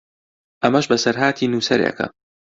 ئەمەش بەسەرهاتی نووسەرێکە